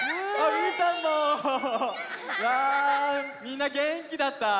わあみんなげんきだった？